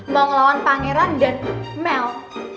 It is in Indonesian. mau ngelawan pangeran dan mel